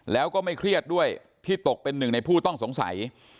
แล้วก็ไม่เครียดด้วยที่ตกเป็นหนึ่งในผู้ต้องสงสัย